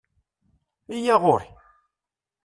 Iyya ɣuṛ-i!